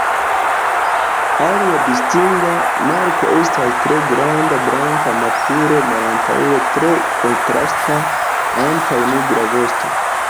Alia distinga marko estas tre granda blanka makulo malantaŭe tre kontrasta antaŭ nigra vosto.